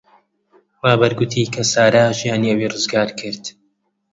ڕابەر گوتی کە سارا ژیانی ئەوی ڕزگار کرد.